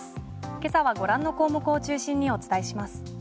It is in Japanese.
今朝はご覧の項目を中心にお伝えします。